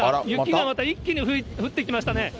雪がまた一気に降ってきましたね。